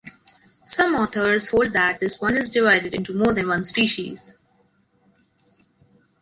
Some authors hold that this one is divided into more than one species.